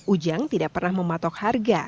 ujang tidak pernah mematok harga